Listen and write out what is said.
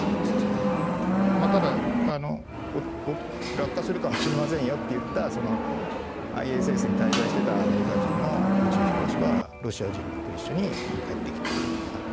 まあただ落下するかもしれませんよって言ったＩＳＳに滞在してたアメリカ人の宇宙飛行士はロシア人と一緒に帰ってきた無事に帰ってきたりしてます。